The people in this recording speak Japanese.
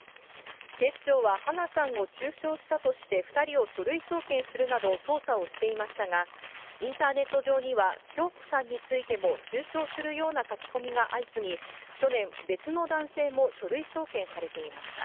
警視庁は、花さんを中傷したとして、２人を書類送検するなど捜査をしていましたが、インターネット上には、響子さんについても中傷するような書き込みが相次ぎ、去年、別の男性も書類送検されていました。